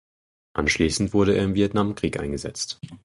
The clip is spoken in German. Anschließend wurde er im Vietnamkrieg eingesetzt.